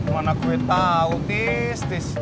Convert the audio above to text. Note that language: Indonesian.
mana gue tau tis tis